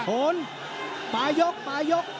โถนฟ้ายกฟ้ายก